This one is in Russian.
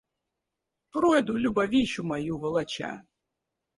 Пройду, любовищу мою волоча.